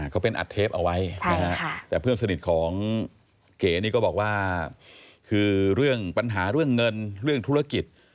เขาเป็นอัดเทปเอาไว้แต่เพื่อนสนิทของเก๋นี่ก็บอกว่าคือเรื่องปัญหาเรื่องเงินเรื่องธุรกิจ